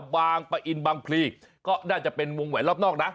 บางปะอินบางพลีก็น่าจะเป็นวงแหวนรอบนอกนะ